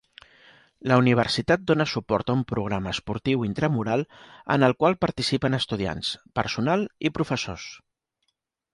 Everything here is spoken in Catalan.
La universitat dona suport a un programa esportiu intramural en el qual participen estudiants, personal i professors.